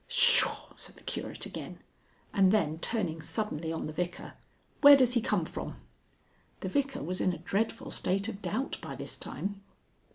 "Pshaw!" said the Curate again. And then turning suddenly on the Vicar, "Where does he come from?" The Vicar was in a dreadful state of doubt by this time.